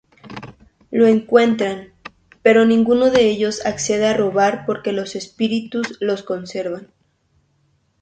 Lo encuentran, pero ninguno de ellos accede a robar porque los espíritus lo conservan.